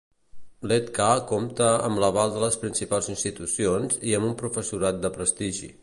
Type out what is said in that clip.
L'ETcA compta amb l'aval de les principals institucions i amb un professorat de prestigi.